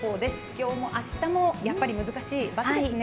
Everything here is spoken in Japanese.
今日も明日もやっぱり難しい、×ですね。